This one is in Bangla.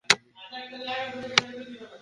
মরার আগে এটা জেনে রাখ।